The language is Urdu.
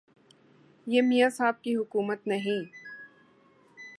یہ میاں صاحب کی حکومت نہیں